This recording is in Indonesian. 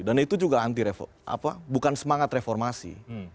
dan itu juga bukan semangat reformasi